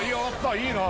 いいなあ。